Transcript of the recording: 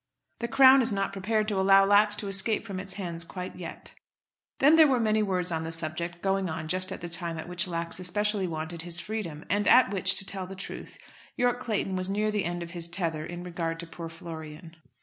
The Crown is not prepared to allow Lax to escape from its hands quite yet." Then there were many words on the subject going on just at the time at which Lax especially wanted his freedom, and at which, to tell the truth, Yorke Clayton was near the end of his tether in regard to poor Florian.